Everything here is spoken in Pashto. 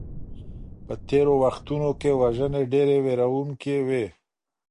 په تيرو وختونو کي وژنې ډېرې ويرونکي وې.